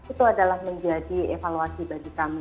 itu adalah menjadi evaluasi bagi kami